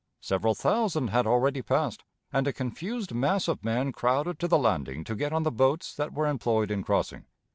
Several thousand had already passed, and a confused mass of men crowded to the landing to get on the boats that were employed in crossing.